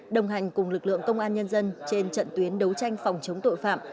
đồng hành cùng lực lượng công an nhân dân trên trận tuyến đấu tranh phòng chống tội phạm